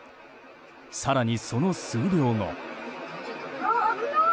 更にその数秒後。